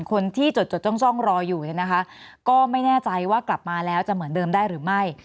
คนที่จดจดจ้องรออยู่เนี่ยนะคะก็ไม่แน่ใจว่ากลับมาแล้วจะเหมือนเดิมได้หรือไม่